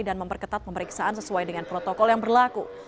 dan memperketat pemeriksaan sesuai dengan protokol yang berlaku